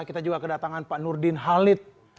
kita juga kedatangan pak nurdin halid